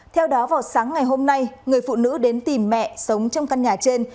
theo đó vào sáng ngày hôm nay người phụ nữ đến tìm mẹ sống trong căn nhà trên